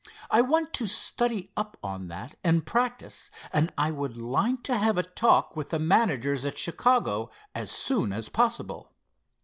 I want to study up on that and practice, and I would like to have a talk with the managers at Chicago as soon as possible."